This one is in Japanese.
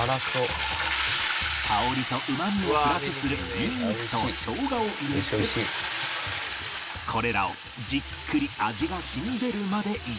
香りとうまみをプラスするニンニクと生姜を入れてこれらをじっくり味が染み出るまで炒める